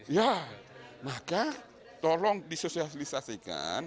ya maka tolong disosialisasikan